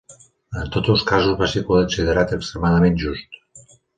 En tots dos casos va ser considerat extremadament just.